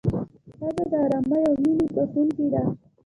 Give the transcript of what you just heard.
ښځه د ارامۍ او مینې بښونکې ده.